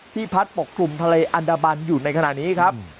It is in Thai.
พัดปกกลุ่มทะเลอันดามันอยู่ในขณะนี้ครับ